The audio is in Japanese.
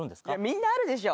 みんなあるでしょ。